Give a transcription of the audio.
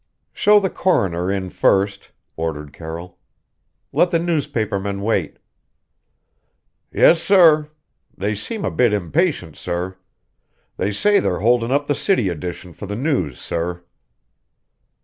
"Show the coroner in first," ordered Carroll. "Let the newspapermen wait." "Yis, sorr. They seem a bit impatient, sorr. They say they're holdin' up the city edition for the news, sorr."